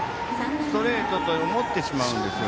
ストレートと思ってしまうんです。